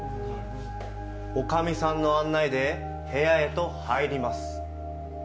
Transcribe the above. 女将さんの案内で部屋へと入ります。